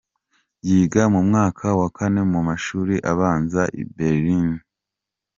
Yiga mu mwaka wa Kane mu mashuri abanza i Berlin.